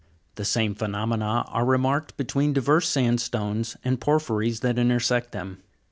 The same phenomena are remarked between diverse sandstones and por phyries that intersect them.